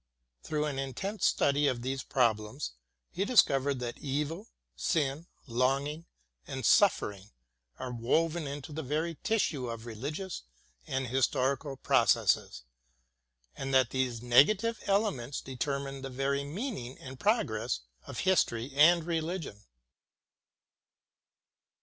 Through an intense study of these problems, he dis covered that evil, sin, longing, and suffering are woven into the very tissue of religious and historical processes, and that these negative elements determine the very mean ing and progress of history and religion.